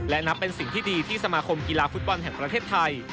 และนับเป็นสิ่งที่ดีที่สมาคมกีฬาฟุตบอลแห่งประเทศไทย